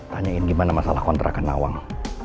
tanyain gimana masalah kontrakan awang